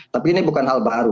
tapi ini bukan hal baru